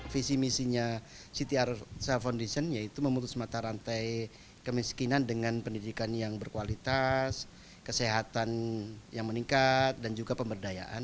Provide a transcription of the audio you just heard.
visi misinya ct arsa foundation yaitu memutus mata rantai kemiskinan dengan pendidikan yang berkualitas kesehatan yang meningkat dan juga pemberdayaan